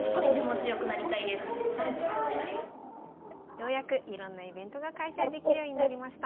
ようやくいろんなイベントが開催できるようになりました。